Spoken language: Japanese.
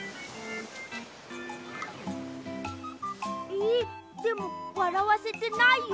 えっでもわらわせてないよ？